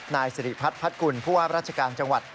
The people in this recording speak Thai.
นายสิริพัฒน์พัดกุลผู้ว่าราชการจังหวัด